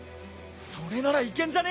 それなら行けんじゃね？